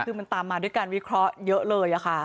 คือมันตามมาด้วยการวิเคราะห์เยอะเลยค่ะ